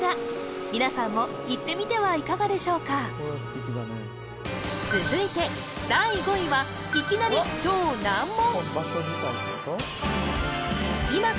皆さんも行ってみてはいかがでしょうか続いて第５位はいきなり超難問